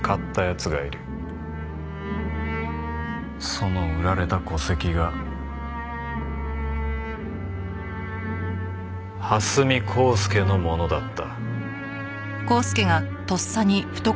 その売られた戸籍が蓮見光輔のものだった。